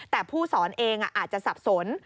แต่ผู้สอนเองอาจจะสับสน